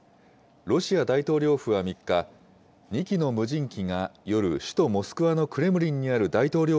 ロシア大統領府は３日、２機の無人機が夜、首都モスクワのクレムリンにある大統領